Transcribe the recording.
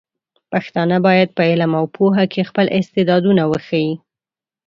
پښتانه بايد په علم او پوهه کې خپل استعدادونه وښيي.